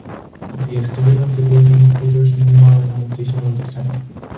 The exterior of the building features minimal ornamentation or design.